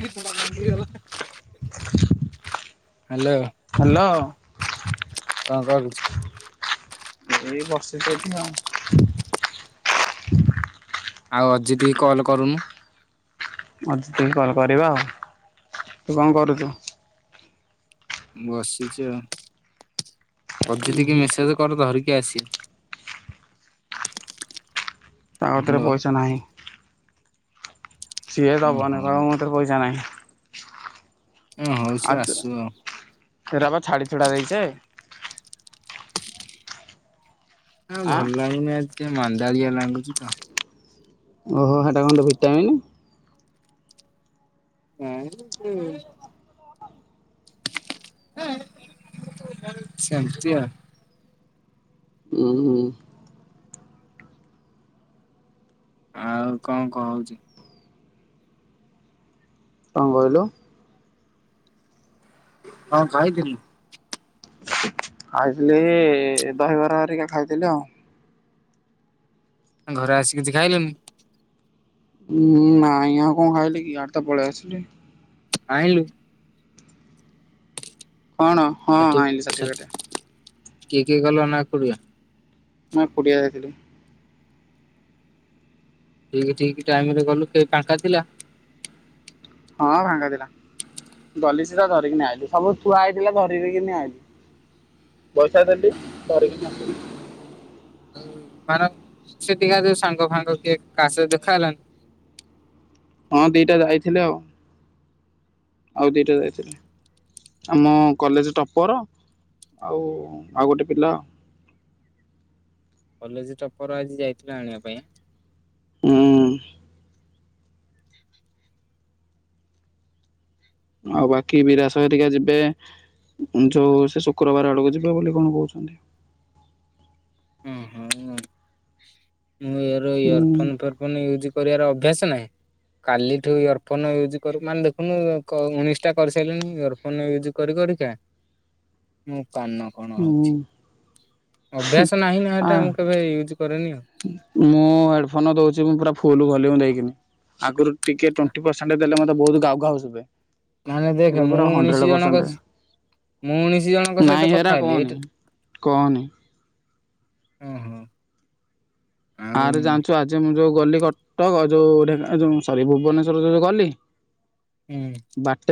[inaudible] ଗଲା। Hello hello କଣ କରୁଛୁ? ଏଇ ବସିଛି ଏଠି ଆଉ। ଆଉ ଅଜିତ କୁ କଲ କରୁନୁ? ଅଜିତ କୁ କଲ କରିବା ଆଉ ତୁ କଣ କରୁଛୁ? ବସିଛି ଆଉ ଉଁ ଅଜିତ କୁ ହୁଁ। ମେସେଜ କର ଧରିକି କି ଆସେ। ତାକତିରେ ପଇସା ନାହିଁ। ସିଏ ଓ ଦବନି ହଉ। କହିବ ମତରେ ପଇସା ନାହିଁ। ଏ ହଉ ସେ ଆଉ [unintelligible] ଆସୁ ଆଉ। ସେଟ ବା ଛାଡି ଛୁଡା ଦେଇଛେ। ଆ ଆଁ ଭଲ ଲାଗୁନି ଆଜି ଟିକେ ମାନ୍ଦାଲିଆ ଲାଗୁଛୁ ତ? ଓହୋ ହେଟା କଣ ତୋ ଭିଟାମିନ? [inaudible] ସେମିତି ଆଉ। ହୁଁ ହୁଁ। ଆଉ କଣ କହୁଛି? କଣ କହିଲୁ? ହଁ ଖାଇଥିଲି। ଖାଇଥିଲି ଦହିବରା ହରିକା ଖାଇଥିଲି ଆଉ। ଘରେ ଆସି କିଛି ଖାଇଲୁନି? ହୁଁ ନାହିଁ ଆଉ କଣ ଖାଇଲି କି ଇଆଡେ ତ ପଳେ ଆସିଲି। ଆଇଲୁ। କଣ? ହଁ ସେଠି ହଁ ଆଣିଲିି ସାର୍ଟିଫିକେଟ। କିଏ କିଏ କଲ ନା ଏକୁଟିଆ? ମୁଁ ଏକୁଟିଆ ଯାଇଥିଲି। ଠିକ ଠିକ ଟାଇମରେ ଗଲୁ କେହି ଫାଙ୍କା ଥିଲା। ହଁ ଫାଙ୍ଗାଥିଲା। ଗଲି ସିଧା ଧରିକି ଆଇଲି ସବୁ ଥୁଆ ହେଇଥିଲା ଧରିକିନା ଆଇିଲି। ପଇସା ଦେଲି ଧାରିକିନା ଆସିଲି। ମାନ ସେଠିକା ସାଙ୍ଗ ଫାଙ୍ଗ କିଏ କା ସହ ଦେଖା ହେଲାଣି? ହଁ ଦିଟା ଯାଇଥିଲେ ଆଉ। ଆଉ ଦିଇଟା ଯାଇଥିଲେ। ଆମ କଲେଜ ଟପର ଆଉ ଆଉ ଗୋଟେ ପିଲା। କଲେଜ ଟପର ଆଜି ଯାଇଥିଲ ଆଣିବା ପାଇଁ। ହୁଁ। ଆଉ ବାକି ବିରାସୟ ରିକା ଯିବେ। ଯୋଉ ସେ ଶୁକ୍ରବାର ଆଡକୁ ଯିବେ ବୋଲି କଣ କହୁଛନ୍ତି। ଓହ ମୁଁ ମୁଁ ଏହାର ହୁଁ ଇୟର ଫୋନ୍ ଫୋର ଫୋନ ୟୁଜ କରିବାର ଅଭ୍ୟାସ ନାହିଁ। କାଲିଠୁ ଇୟରଫୋନ ୟୁଜ୍ କରୁ ମାନେ ଦେଖୁନୁ କ ଉଣେଇଶଟା କରିସାରିଲଣି ଇୟରଫୋନ ୟୁଜ୍ କରି । କରିକା କାନ କଣ ହୁଁ ହଉଛି ଅଭ୍ୟାସ ନାହିଁ ନା ଆ ଏଟା ମୁଁ କେବେ ୟୁଜ କରେନି ଆଉ ମୁଁ ହେଡଫୋନ ଦଉଛି ମୁଁ ପୁରା ଫୁଲ ଭଲ୍ୟୁମ ଦେଇି ଆଗରୁ ଟିକେ ଟୋନଟି ପର୍ସେଣ୍ଟ ଦେଲେ ମଧ୍ଯ ବହୁତ ଘାଉ ଘାଉ ଶୁଭେ। ମାନେ ଏବେ ଦେଖ ମୁଁ ପୁରା ହଣ୍ଡ୍ରେଡ ଉଣେଇଶି ପରସେଣ୍ଟ। ଜଣଙ୍କ ମୁଁ ଉଣଶି ଜଣଙ୍କ ନାଇଁ ସହିତ ହେରା କଥା ହେଲି କହନି ଏଇ କହନି। ଓ ହୋ। ଆରେ ଜାଣିଛୁ ଆଜି ମୁଁ ଯୋଉ ଗଲି କଟକ ଆଉ ଯୋ ଢେଙ୍କା ଯୋଉ ସରି ଭୁବନେଶ୍ଵର ଯୋଉ ଗଲି। ହୁଁ।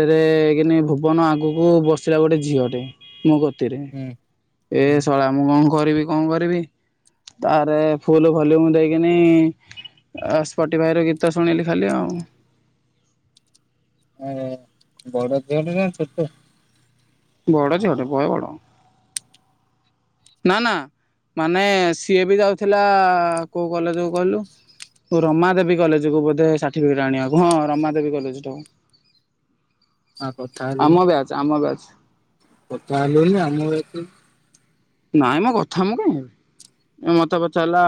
ଏ କିନି ଭୁବନ ଆଗକୁ ବସିଲା ଗୋଟେ ଝିଅଟେ ମୋ କତିରେ। ହୁଁ ଏ ହୁଁ ଶଳା ମୁଁ କଣ କରିବି କଣ କରିବି? ତାରେ ଫୁଲ ଭଲ୍ୟୁମୁ ଦେଇକିନି ଆ ସ୍ପଟିଭାଇ ର ଗୀତ ଶୁଣିଲି ଖାଲି ଆଉ। [inaudible] ଅ ବଡ ଝିଅ ଟେନା ଛୋଟ? ବଡ ଝିଅ ଟେ ବହେ ବଡ଼। ନା ନା ମାନେ ସିଏ ବି ଯାଉଥିଲା କୋଉ କଲେଜ କୁ କହିଲୁ? ରମା ଦେବୀ କଲେଜକୁ ବୋଧେ ସାର୍ଟିଫିକେଟ ଆଣିବାକୁ ହଁ ରମାଦବୀ କଲେଜ ଟାକୁ। ଆ କଥା ହେଲୁନି ଆମ ବ୍ୟାଚ୍ ଆମ ବ୍ୟାଚ୍। କଥା ହେଲୁନୁ ନା ଆମ ବ୍ୟାଚ୍ କୁ। ନାଇଁ ମୋ କଥା ମୁଁ କାଇଁ ହେବି। ଏ ମତେ ପଚାରିଲା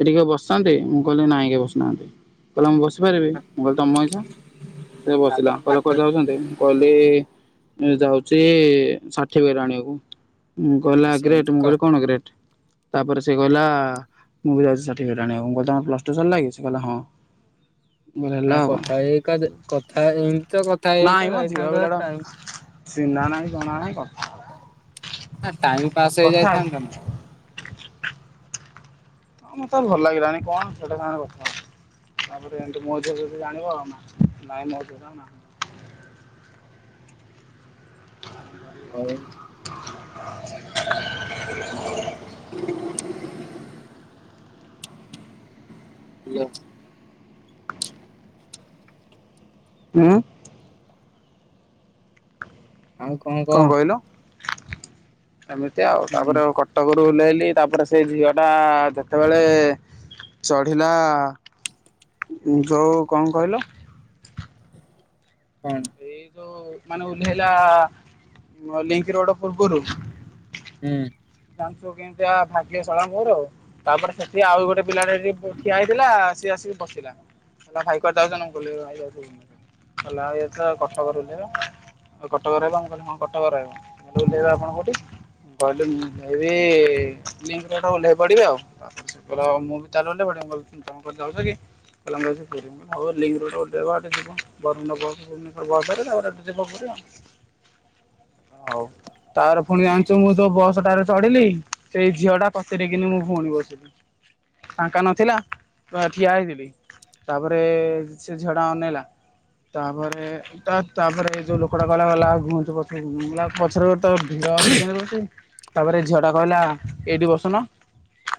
ଏ ଟିକେ ବସିନ୍ତି ମୁଁ କହିଲି ନାଇଁ କିଏ ବସିନାହାନ୍ତି କହିଲା ମୁଁ ବସି ବୁଝିପାରି ବି ମୁଁ କହିଲି ତମ ଇଛା। ସେ ବସିଲା ତାପରେ କହିଲା ବାଟ କଉ ଯାଉଛନ୍ତି ମୁ କହିଲି ଯାଉଚି ଷାଠି ରାଣିବାକୁ ମୁଁ ଆ କହିଲା ସେମିତି ଗ୍ରେଟ ମୁଁ କ କହିଲି କଣ ଗ୍ରେଟ? ତାପରେ ସେ କହିଲା ମୁଁ ବି ଯାଉଛି ସାର୍ଟିଫିକେଟ୍ ଆଣିବାକୁ ମୁଁ କହିଲି ତମର ପ୍ଲଟୁ ସରିଲା କି ସେ କହିଲା ହଁ। ମୁଁ କହିଲି [inaudible] ହେଲା ଆ ଆଉ କଣ କଥା ହେଇକା କଥା ଏମତି ତ କଥା ନାଇଁ ହେଇକା ମ ଝିଅ ଯାଇଥାନ୍ତ ପିଲାଟା ଟାଇମ ଚିହ୍ନା ନାହିଁ ଜଣା ନାହିଁ କଥା ହଁ ଟାଇମ ପାସ୍ ହେଇ କଥା ଯାଇଥାନ୍ତା ନା। ହଁ ମତେ ଭଲ ଲାଗିଲାଣି କଣ ସେଟା ସାରେ କଥା ହବ। ତାପରେ ଏମତି ମୋ ଝିଅ ଜାଣିବ ଆଉ ନା ନାଇଁ ମୋଝ [inaudible] ହଉ। [inaudible] [inaudible] ହାଲୋ। ଆ ଆଉ କଣ କହ? ଏମିତି ଆଉ ହୁଁ ତାପରେ ଆଉ କଟକ ଉଲେଇଲି ତାପରେ ସେଇ ଝିଅ ଟା ଯେତେବେଳେ ଚଢିଲା ଯଉ କଣ କହିଲ? କଣ? ଏଇ ଯୋଉ ମାନେ ଓହ୍ଲାଇଲା ଲିଙ୍କି ରୋଡ। ପୂର୍ବରୁ ହୁଁ କେମତିଆ ଭାଗ୍ୟ ଶାଳାଙ୍କର ତାପରେ ସେଠି ଆଉ ଗୋଟେ ପିଲାଟେ ଠିଆ ହେଇଥିଲା ସିଏ ଆସିକି ହସିଲା କହିଲା ଭାଇ କୁଆଡେ ଯାଉଛନ୍ତି? ମୁଁ କହିଲି କଟକ ରେ ଓହ୍ଲାଇବ କଟକ ରେ ବା ମୁଁ କହିଲି ହଁ କଟକ ରହିବ ମୁଁ କହିଲି ଓହ୍ଲାଇବେ ଆପଣ କୋଉଠି? କହିଲି ମୁଁ ଯିବି ଲିଙ୍କି ରୋଡ଼ ରେ ଓହ୍ଲେଇ ପଡିବି ଆଉ ତ ମୁଁ ବି ତାହେଲେ ଓହ୍ଲେଇ ପିଡିବି। ମୁଁ କହିଲି ତମେ କୁଆଡେ ଯାଉଛ କି? କହିଲା ମୁଁ ଯାଉଛି [unintelligible] ହଉ ଆଉ ଟିକେ ଜଗ ବରମୁଣ୍ଡା ବସ ବ ତାପରେ ଯିବ ପୁରୀ ଆଉ। ତାର ପୁଣି ଜାଣିଛୁ ମୁଁ ଯଉ ବସ ଟାରେ ଚଢିଲି ସେଇ ଝିଅ ଟା କତିରେକିନି ମୋ ଭଉଣୀ ବସିଛି ଫାଙ୍କା ନ ଥିଲା। ଠିଆ ହୋଇଥିଲି ତାପରେ ସେ ଝିଅ ଟା ଅନେଇଲା । ତାପରେ ତା ତାପରେ ଯୋଉ ଲୋକଟା କହିଲା କହିଲା ଘୁଞ୍ଚ ପଛକୁ ମୁଁ କହିଲି ପଛରେ ଗୋଟେ ଝିଅ ଅଛି । [unintelligible] ତାପରେ ଝିଅ ଟା କହିଲା ଏଇଠି ବସୁନ?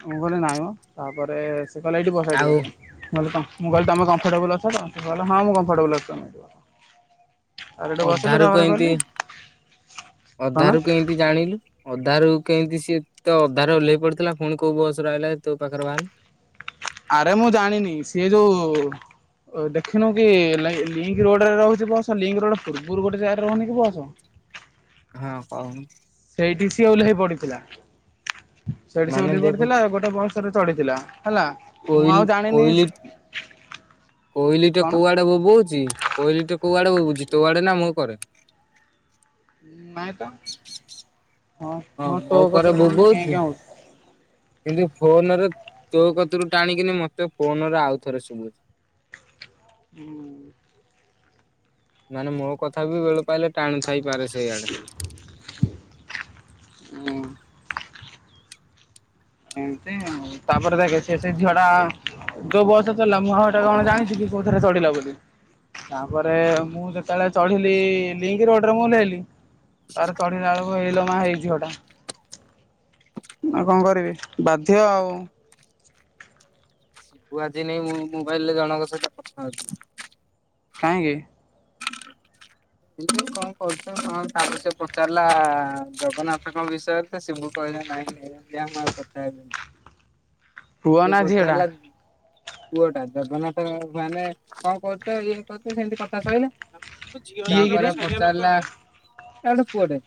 ମୁଁ କହିଲି ନାହିଁ ମ ତା ପରେ କହିଲା ଏଇଠି ବସ ଏଇଠି ଆଉ ବସ ମୁଁ ମୁଁ କହିଲି ତମେ କମ୍ଫଟେବଲ ଅଛ ତ? ସେ କହିଲେ ହଁ ମୁଁ କମ୍ଫଟେବଲ ଅଛି । [inaudible] ଅଧାରୁ କେ ତାପରେ ଏମିତି କହିଲି କଣ ଅଧାରୁ କେ ଏମିତି ଜାଣିଲୁ। ଅଧାରୁ କେମିତି ସିଏ ତ ଅଧାରେ ଓହ୍ଲେଇ ପଡିଥିଲା ପୁଣି କୋଉ ବସ୍ ରେ ଆଇଲା ଯେ ତୋ ପାଖରେ ବାହାରିଲା? ଆରେ ମୁଁ ଜାଣିନି ସିଏ ଯୋଉ-ଉ-ଉ ଅ ଦେଖିନୁ କି-ଇ-ଇ, ଲି ଲିଙ୍କ ରୋଡରେ ରହୁଛି ବସ୍, ଲିଙ୍କ ରୋଡ ପୂର୍ବରୁ ଗୋଟେ ଜାଗାରେ ରହୁନି କି ବସ୍? [inaudible] ହଁ କହୁନୁ। ସେଇଠି ସିଏ ଓହ୍ଲେଇ ପଡିଥିଲା। ସେଇଠି ସିଏ ମାନେ ଉହ୍ଲେଇ ଦେଖ ପଡ଼ିଥିଲା ଗୋଟେ ବସ୍ ରେ ଚଢିଥିଲା ହେଲା ମୁଁ କୋଇଲି ଆଉ ଜାଣିନି ସେ କୋଇଲି ଟେ କୁଆଡ଼େ ବୋବଉଛି କୋଇଲି ଟେ କୁଆଡ଼େ ବୋବଉଛି ତୋ ଆଡେ ନା ମୋ ଉପରେ। ନାଇଁ ତ। ହଁ ମୋ ତୋ କରେ କତିରେ କଣ ଗୋଟେ କେଁ ବୋବଉଛି କେଁ ହଉଛି। କିନ୍ତୁ ଫୋନରେ ତୋ କତିରୁ ଟାଣିକିନି ମତେ ଫୋନରେ ଆଉ ଥରେ ଶୁଭୁଛି । ହୁଁ। ମାନେ ମୋ କଥା ବି ବେଳୁ ପାଇଲେ ଟାଣୁଥ ଥାଇପାରେ ସେଇଆଡେ । ହୁଁ ଏମତି ଆଉ ତାପରେ ଦେଖ ସେ ସେଇ ଝିଅ ଟା ତୋ ବୟସ ଲା ମୁଁ ହଉଟା କଣ ଜାଣିଛି କି କୋଉଥିରେ ଚଢିଲା ବୋଲି? ତାପରେ ମୁଁ ଯେତେବେଳେ ଚଢିଲି ଲିଙ୍କ ରୋଡରେ ମୁଁ ଓଲେହିଲି ତାପରେ ଚଢିଲା ବେଳକୁ ଏଇ ଲୋ ମା ହେଇ ଝିଅ ଟା। ଆଉ କଣ କରିବି? ବାଧ୍ୟ ଆଉ। କୁଆଯିନି ମୁଁ ମୋବାଇଲ୍ ରେ ଜଣଙ୍କ ସହିତ କଥା ହେଉଛି । କାହିଁକି ହ [unintelligible] କଣ କରୁଛ କଣ ତାକୁ ସେ ପଚାରିଲା-ଆ-ଆ-ଆ ଜଗନ୍ନାଥଙ୍କ ବିଷୟରେ ତ ସେ ବହୁତ୍ କହିଲ ନାଇଁ ସେ ମୁଁ ଆଉ କଥା ହେବିନି । ପୁଅ ନା ଝିଅ ଡା? ପୁଅ ଟା ଜଗନ୍ନାଥ ଅ ମାନେ କଣ କରୁଛ ଇଏ କରୁଛ ସେମିତି କଥା ସଇଲା । କିଏ ତାପରେ କିରେ? ପଚାରିଲା ଏ ଗୁଟେ ପୁଅ ଡେ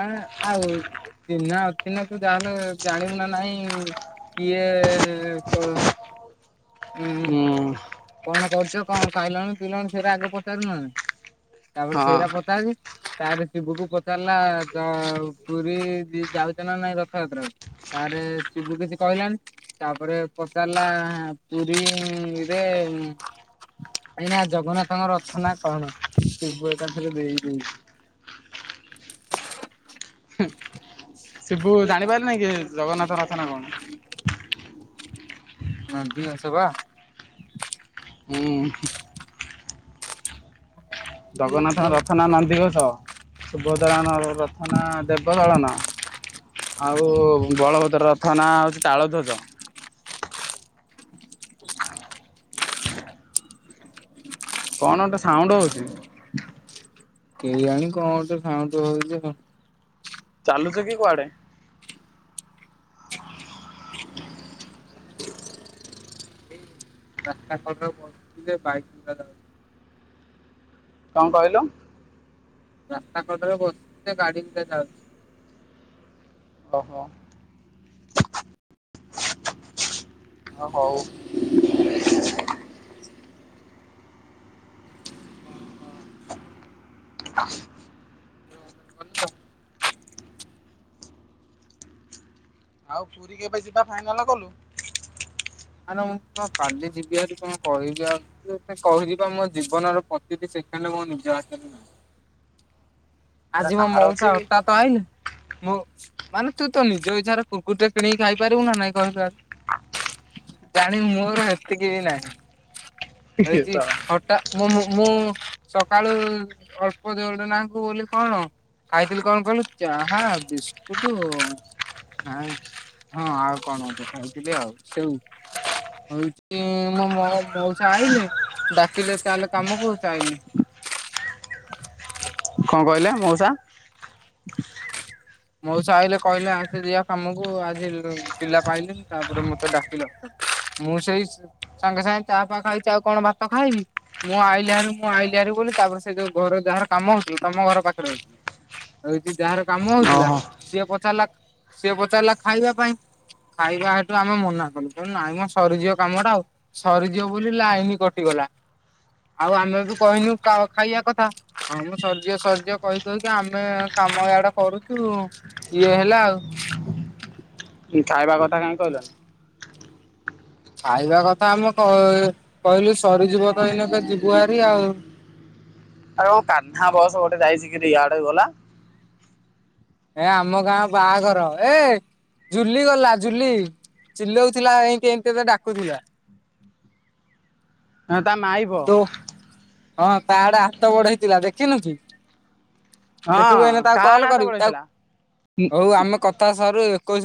ମାନେ ଆଉ ଚିହ୍ନା ଅଛି ନା ତୁ ଯାହାହେଲେ ଜାଣିବୁ ନା ନାହିଁ କିଏ-ଏ-ଏ-ଏ ଏ ପ ହୁ। କଣ କରୁଛ କଣ ଖାଇଲନି ପିଇଲନି ସେରା ଆଗ ପଚାରୁ ନାହାନ୍ତି । ତାପରେ ହଁ ସେଇରା ପଚାରି ତାପରେ ଶିବୁକୁ ପଚାରିଲା-ଆ-ଆ ପୁରୀ-ଇ-ଇ ଯାଉଛ ନା ନାଇଁ ରଥଯାତ୍ରାକୁ । ତାରେ ସିବୁ କିଛି କହିଲାନି ତାପରେ ପଚାରିଲା-ଆ-ଆ-ଆ ପୁରୀ-ଇ-ଇ-ଇ ରେ କାହିଁକି ନା ଜଗନ୍ନାଥଙ୍କ ରଥ ନା କଣ ସିବୁ ଏକାଥରେ ଦେଇଦେଇ [unintelligible] ହୁଁ ସିବୁ ଜାଣିପାରିଲାନି କି ଜଗନ୍ନାଥଙ୍କ ରଥ ନାଁ କଣ? ନା ଫ୍ରି ଅଛ ବା। ହଁ। ଜଗନ୍ନାଥଙ୍କ ବା ରଥ ନା ନନ୍ଦିଘୋଷ ସୁଭଦ୍ରାଙ୍କ ର ରଥ ନା ଦେବଦଳନ ଆଉ-ଉ-ଉ ବଳଭଦ୍ର ରଥ ନାଁ ହେଉଛି ତାଳ ଧ୍ୱଜ। କଣ ଗୋଟେ ସାଉଣ୍ଡ ହଉଛି? କେଜାଣି କଣ ଗୋଟେ ସାଉଣ୍ଡୁ ହୋଉଛି ଆଉ। ଚାଲୁଛ କି କୁଆଡେ? ରାସ୍ତା କଡରେ ବଇଛି ଯେ ବାଇକ ଗୁରା ଯାଉଛି। କଣ କହିଲୁ? ରାସ୍ତା କଡରେ ବସିଛି ଯେ ଗାଡି ଗୁଡା ଯାଉଛି। ଓହୋ। ହଁ ହଉ। [unintelligible] [unintelligible] ଆଉ ପୁରୀ କେବେ ଯିବା ଫାଇନାଲ କଲୁ? ଆରେ ମୁଁ କଣ କାଲି ଯିବି ଆରି କଣ କହିବି ତତେ କହିଲି ପା ମୋ ଜୀବନର ପ୍ରତିଟି ସେ ସେକେଣ୍ଡ ମୋ ନିଜ ହାତରେ ନାହିଁ। ଏଟା ଆଜି ମୋ କାହାର ଅଛି ମଉସା ହଠାତ ଆଇଲେ ମୁଁ ମାନେ ତୁ ତ ନିଜ ଇଚ୍ଛାରେ କୁକୁରଟେ କିଣିକି ଖାଇପାରିବୁ ନା ନାହିଁ କହିଲୁ ଆଗ ଜାଣି ମୋର ହେତି କି ବି ନାହିଁ। କି ହେଉଛି କଣ ହଠା ମୁଁ ମୁଁ ସକାଳୁ ଅଳ୍ପ ଦେଉଟ ନାକୁ ବୋଲି କଣ ଖାଇଥିଲି କଣ କହିଲୁ ଚାହା ବିସ୍କୁଟୁ ନାଇଁ ହଁ ଆଉ କଣ ଗୋଟେ ଖାଇଥିଲି ଆଉ ସେଓ। ହଉଛି ମୁଁ ମୋ ମଉସା ଆଇଲେ ଡାକିଲେ ଚାଲ କାମକୁ ଚାଇଲି। [unintelligible] କଣ କହିଲେ ମଉସା? [unintelligible] ମଉସା ଆଇଲେ କହିଲେ ଆସେ ଯିବା କାମକୁ ଆଜି ପିଲା ପାଇଲିନି ତାପରେ ମତେ ଡାକିଲା ମୁଁ ସେଇ ସ-ସାଙ୍ଗେ ସାଙ୍ଗେ ଚା ପା ଖାଇଛି ଆଉ କଣ ଭାତ ଖାଇବି, ମୁଁ ଆଇଲି ହେରି ମୁଁ ଆଇ ତିଆରି କଲି ତାପରେ ସେ ଯୋଉ ଘର ଯାହାର କାମ ହଉଛି ତମ ଘର ପାଖରେ ହଉଛି। ହଉଛି ଯାହାର କାମ ହଉଥିଲା ଓହୋ। ସିଏ ପଚାରିଲା ସିଏ ପଚାରିଲା ଖାଇବା ପାଇଁ? ଖାଇବା ହେତୁ ଆମେ ମନା କଲୁ କଣ ନାଇଁମ ସରିଯିବ କାମ ଟା ଆଉ ସରିଯିବ ବୋଲି ଲାଇନ କଟିଗଲା। ଗଲା। ଆଉ ଆମେ ବି କହିନୁ କା ଖାଇବା କଥା କାମ ସରିଯିବ ସରିଯିବ କହି କହିକି ଆମେ କାମ ୟାଡେ କରୁଛୁ ଇଏ ହେଲା ଆଉ। ଖାଇବା କଥା କାଇଁ କହିଲନି? ଖାଇବା କଥା ଆମ କ-କହିଲୁ ସରିଯିବ ତ ଏଇନ କେ ଯିବୁ ଆରି ଆଉ। [inaudible] ଆଉ କାହ୍ନା ବସ ଗୋଟେ ଯାଇଛି କିରି ଇଆଡେ ଗଲା। ଏଁ ଆମ ଗାଁ ବାହାଘର ଏ ଜୁଲି ଗଲା ଜୁଲି ଚିଲଉଥିଲା ଏମତି ଏମତି ଏ ଡାକୁଥିଲା। [inaudible] ହଁ ତା ମାଇପ। ତୋ ହଁ ତା ଆଡେ ହାତ ବଡ ହେଇଥିଲା ଦେଖିନୁକି ଦେଖିବୁ ଏଇନ ହଁ ତାକୁ କାହାଆଡେ କଲ ହାତ କରିବି ତାକୁ ବଢେଇଥିଲା? ଉଁ ତା ହଉ ଆମ କଥା ସରୁ ଏକୋଇଶ